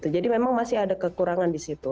jadi memang masih ada kekurangan di situ